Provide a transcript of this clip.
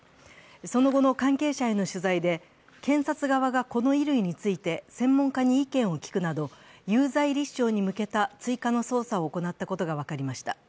その後の関係者への取材で、検察側がこの衣類について専門家に意見を聞くなど有罪立証に向けた追加の捜査を行ったことが分かりました。